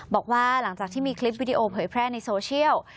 บอกว่าหลังจากที่มีคลิปวิดีโอเผยแพร่ในโซเชียล